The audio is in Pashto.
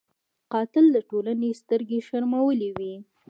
قاتل د ټولنې سترګې شرمولی وي